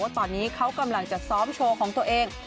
ตอนนี้เขากำลังจะซ้อมโชว์ของตัวเอง